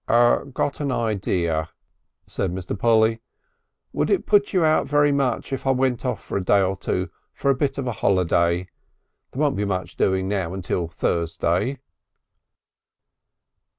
"Got an idea," said Mr. Polly. "Would it put you out very much if I went off for a day or two for a bit of a holiday? There won't be much doing now until Thursday."